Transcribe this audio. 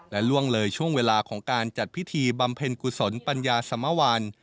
และล่วงเลยช่วงเวลาของการจัดพิธีบำเพ็ญกุศลปัญญาสมวัล